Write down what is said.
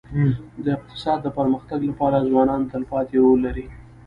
د اقتصاد د پرمختګ لپاره ځوانان تلپاتې رول لري.